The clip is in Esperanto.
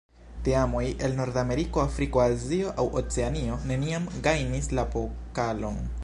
Teamoj el Nordameriko, Afriko, Azio aŭ Oceanio neniam gajnis la pokalon.